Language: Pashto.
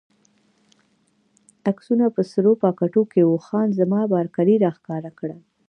عکسونه په سرو پاکټو کې وو، خان زمان بارکلي راښکاره کړل.